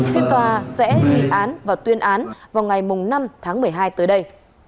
thế tòa sẽ bị án và tuyên án vào ngày năm tháng một mươi hai tới đây